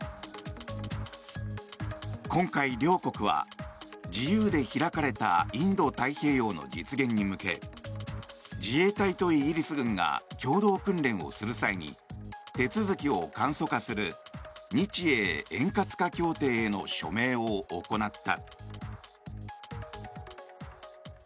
今回、両国は自由で開かれたインド太平洋の実現に向け自衛隊とイギリス軍が共同訓練をする際に手続きを簡素化する日英円滑化協定への署名を行った。